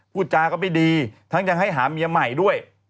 พูดจาก็ไม่ดีทั้งยังให้หาเมียใหม่ด้วย